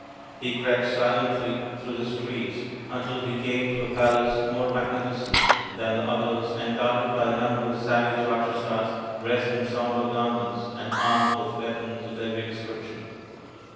He crept silently through the streets until he came to a palace more magni ficent than the others and guarded by a number of savage Rakshasas dressed in sombre garments and armed with weapons of every description.